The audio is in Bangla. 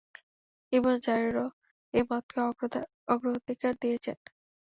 ইবন জারিরও এ মতকে অগ্রাধিকার দিয়েছেন।